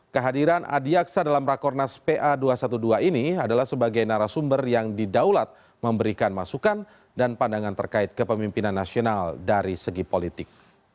kehadiran adi aksa dalam rakornas pa dua ratus dua belas ini adalah sebagai narasumber yang didaulat memberikan masukan dan pandangan terkait kepemimpinan nasional dari segi politik